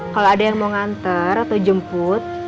kalau ada yang mau nganter atau jemput